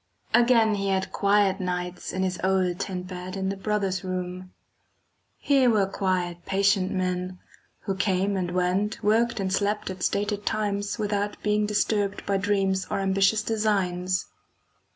Again he had quiet nights in his old tent bed in the brothers' room. Here were quiet patient men, who came and went, worked and slept at stated times without being disturbed by dreams or ambitious designs.